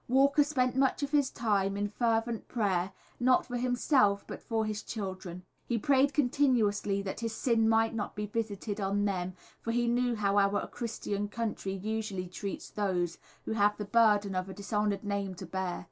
Walker spent much of his time in fervent prayer, not for himself, but for his children. He prayed continuously that his sin might not be visited on them, for he knew how our Christian country usually treats those who have the burden of a dishonoured name to bear.